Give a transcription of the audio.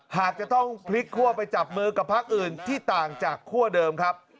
หากจะต้องพลิกคั่วไปจับมือกับพักอื่นที่ต่างจากคั่วเดิมครับ